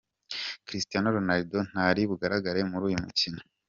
Cristiano Ronaldo ntari bugaragare muri uyu mukino .